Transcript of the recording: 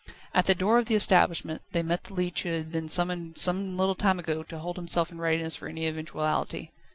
At the door of the establishment, they met the leech who had been summoned some little time ago to hold himself in readiness for any eventuality.